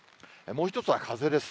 もう１つは風です。